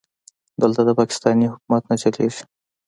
دلته د پاکستان حکومت نه چلېږي.